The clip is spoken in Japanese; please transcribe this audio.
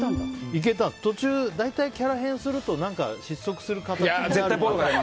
途中、大体キャラ変すると失速する。